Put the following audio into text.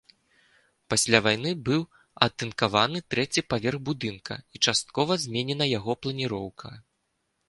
Пасля вайны быў атынкаваны трэці паверх будынка і часткова зменена яго планіроўка.